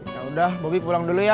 yaudah bobby pulang dulu ya